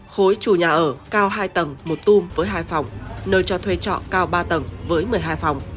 khối chủ nhà ở cao hai tầng một tung với hai phòng nơi cho thuê trọ cao ba tầng với một mươi hai phòng